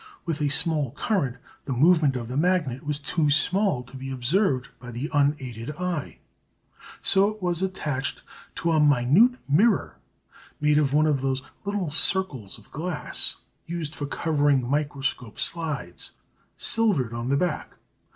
With a small current the movement of the magnet was too small to be observed by the unaided eye, so it was attached to a minute mirror made of one of those little circles of glass used for covering microscope slides, silvered on the back.